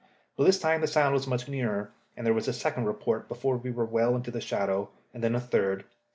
But this time the sound was much nearer, and there was a second report before we were well into the shadow, and then a third.